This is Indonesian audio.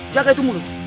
jaga itu mulut